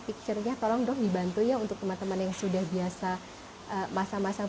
picture nya tolong dong dibantu ya untuk teman teman yang sudah biasa masang masang